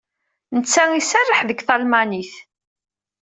Netta iserreḥ deg talmanit.